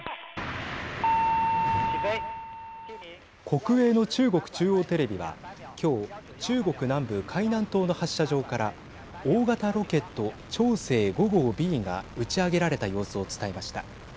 国営の中国中央テレビは今日中国南部海南島の発射場から大型ロケット長征５号Ｂが打ち上げられた様子を伝えました。